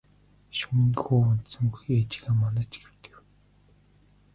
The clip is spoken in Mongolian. Шөнө нь хүү унтсангүй ээжийгээ манаж хэвтэв.